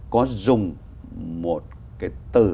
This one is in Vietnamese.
có dùng một cái từ